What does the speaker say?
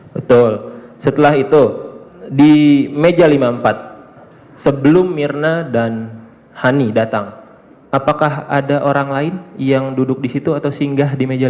betul setelah itu di meja lima puluh empat sebelum mirna dan hani datang apakah ada orang lain yang duduk di situ atau singgah di meja dua